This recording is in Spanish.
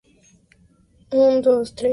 Ambas se hallan en el plasma sanguíneo humano.